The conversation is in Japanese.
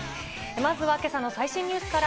まずはけさの最新ニュースから。